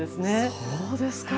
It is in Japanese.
そうですか！